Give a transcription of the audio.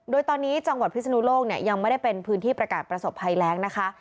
โดยตอนนี้จังหวัดพิศนุโลกเนี่ยยังไม่ได้เป็นพื้นที่ประกาศประสบภัยแรงนะคะ